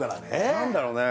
何だろうね